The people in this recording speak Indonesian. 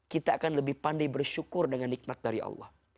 kita akan lebih pandai bersyukur dengan nikmat dari allah